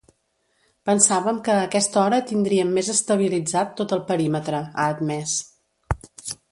Pensàvem que a aquesta hora tindríem més estabilitzat tot el perímetre, ha admès.